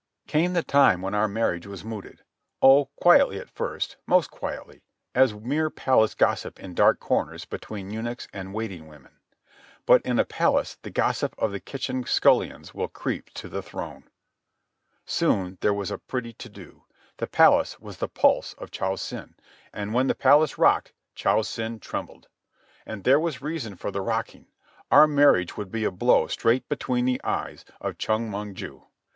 Came the time when our marriage was mooted—oh, quietly, at first, most quietly, as mere palace gossip in dark corners between eunuchs and waiting women. But in a palace the gossip of the kitchen scullions will creep to the throne. Soon there was a pretty to do. The palace was the pulse of Cho Sen, and when the palace rocked, Cho Sen trembled. And there was reason for the rocking. Our marriage would be a blow straight between the eyes of Chong Mong ju.